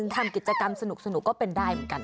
ทำกิจกรรมสนุกก็เป็นได้เหมือนกัน